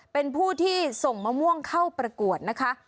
เป็นผู้ที่ส่งมะม่วงเข้าประกวดนะคะ